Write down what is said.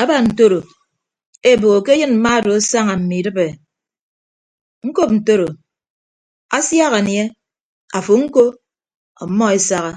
Aba ntoro eboho ke ayịn mma odo asaña mme idịp ñkọp ntodo asiak anie afo ñko ọmmọ esaha.